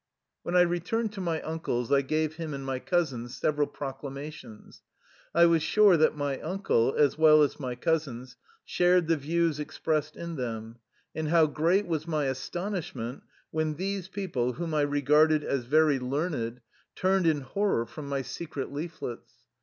When I returned to my uncle's I gave him and my cousins several proclamations. I w^as sure that my uncle, as well as my cousins, shared the views expressed in them, and how great was my astonishment when these people, whom I re garded as very learned, turned in horror from my secret leaflets.